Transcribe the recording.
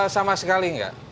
sama sekali nggak